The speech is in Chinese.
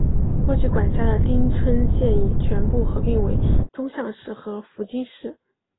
过去管辖的町村现已全部合并为宗像市和福津市。